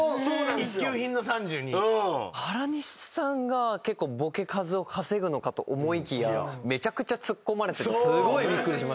原西さんがボケ数を稼ぐのかと思いきやめちゃくちゃツッコまれててすごいびっくりしました。